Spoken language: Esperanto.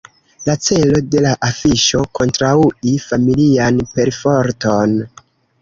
La celo de la afiŝo: kontraŭi familian perforton.